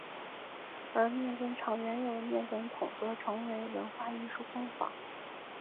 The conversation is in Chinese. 而面粉厂原有的面粉筒则成为文化艺术工坊。